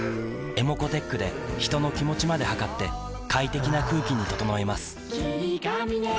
ｅｍｏｃｏーｔｅｃｈで人の気持ちまで測って快適な空気に整えます